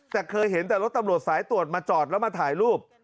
แต่เคยเห็นแต่รถตำรวจสายตรวจมาจอดแล้วมาถ่ายรูป